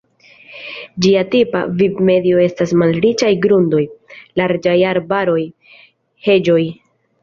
Ĝia tipa vivmedio estas malriĉaj grundoj, larĝaj arbaroj, heĝoj.